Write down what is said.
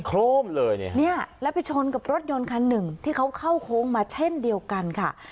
โครมเลยเนี่ยแล้วไปชนกับรถยนต์คันหนึ่งที่เขาเข้าโค้งมาเช่นเดียวกันค่ะ